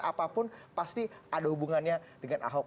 apapun pasti ada hubungannya dengan ahok